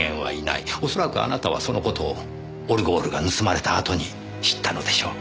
おそらくあなたはその事をオルゴールが盗まれたあとに知ったのでしょう。